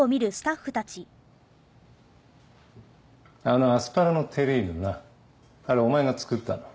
あのアスパラのテリーヌなあれお前が作ったの？